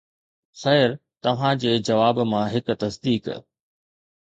خير توهان جي جواب مان هڪ تصديق